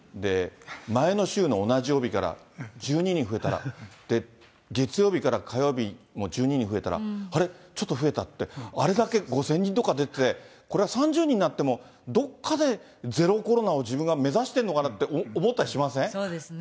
前の週の同じ曜日から１２人増えたら、月曜日から火曜日も１２人増えたら、あれ、ちょっと増えたって、あれだけ５０００人とか出て、これは３０人になっても、どっかでゼロコロナを自分が目指してるのかなって思ったりしませそうですね。